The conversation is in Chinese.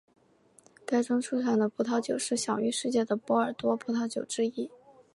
该庄出产的葡萄酒是享誉世界的波尔多葡萄酒之一。